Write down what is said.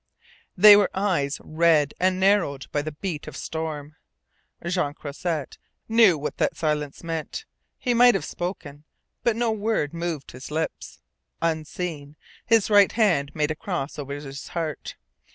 They were eyes red and narrowed by the beat of storm. Jean Croisset knew what that silence meant. He might have spoken. But no word moved his lips. Unseen, his right hand made a cross over his heart.